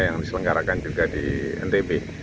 yang diselenggarakan juga di ntb